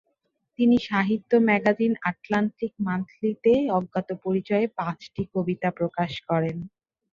তিনি সাহিত্য magazine Atlantic মান্থলি-তে অজ্ঞাত পরিচয়ে পাঁচটি কবিতা প্রকাশ করেন।